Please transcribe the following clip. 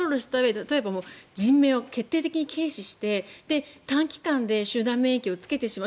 例えば人命を決定的に軽視して短期間で集団免疫をつけてしまう。